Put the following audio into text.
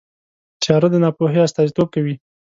تیاره د ناپوهۍ استازیتوب کوي.